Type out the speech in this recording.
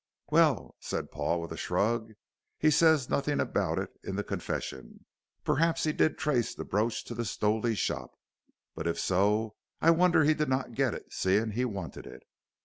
"Well," said Paul, with a shrug, "he says nothing about it in the confession. Perhaps he did trace the brooch to the Stowley shop, but if so, I wonder he did not get it, seeing he wanted it.